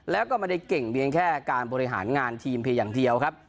แล้วก็ไม่ได้เก่งเพียงแค่การบริหารงานทีมเพียงอย่างเดียวครับ